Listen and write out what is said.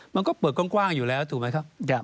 มันก็เปิดกว้างอยู่แล้วถูกไหมครับ